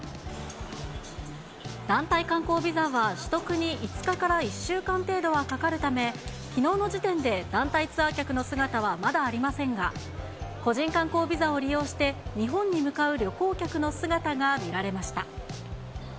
団体観光ビザは、取得に５日から１週間程度はかかるため、きのうの時点で団体ツアー客の姿はまだありませんが、個人観光ビザを利用して、日本に向かう旅行客の姿が見られました。